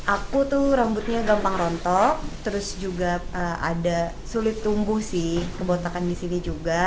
aku tuh rambutnya gampang rontok terus juga ada sulit tumbuh sih kebotakan di sini juga